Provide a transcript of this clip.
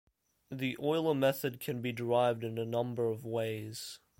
The Euler method can be derived in a number of ways.